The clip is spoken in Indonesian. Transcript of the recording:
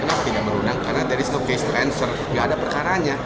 kenapa tidak berwenang karena dari satu case to answer tidak ada perkaranya